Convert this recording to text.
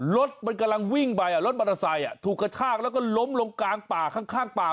รถมันกำลังวิ่งไปรถมอเตอร์ไซค์ถูกกระชากแล้วก็ล้มลงกลางป่าข้างป่า